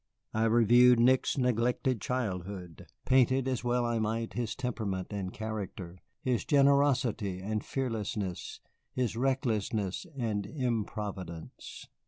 I reviewed Nick's neglected childhood; painted as well as I might his temperament and character his generosity and fearlessness, his recklessness and improvidence.